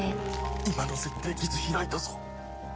今の絶対傷開いたぞ！